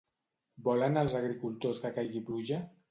Volen els agricultors que caigui pluja?